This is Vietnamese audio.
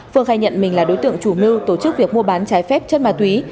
phương khai nhận mình là đối tượng chủ mưu tổ chức việc mua bán trái phép chất ma túy